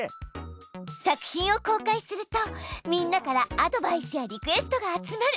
作品を公開するとみんなからアドバイスやリクエストが集まる。